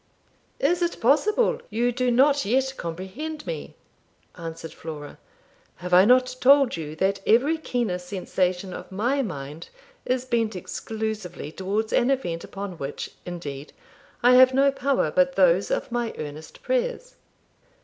'Is it possible you do not yet comprehend me?' answered Flora. 'Have I not told you that every keener sensation of my mind is bent exclusively towards an event upon which, indeed, I have no power but those of my earnest prayers?'